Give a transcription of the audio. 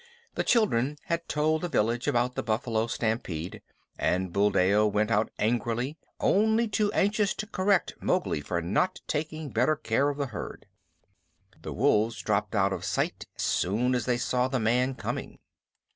The children had told the village about the buffalo stampede, and Buldeo went out angrily, only too anxious to correct Mowgli for not taking better care of the herd. The wolves dropped out of sight as soon as they saw the man coming.